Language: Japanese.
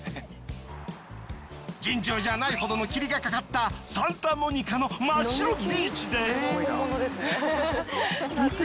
尋常じゃないほどの霧がかかったサンタモニカの真っ白ビーチで。